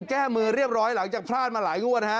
แก้มือเรียบร้อยหลังจากพลาดมาหลายงวดนะฮะ